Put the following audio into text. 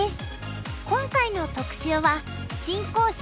今回の特集は新講師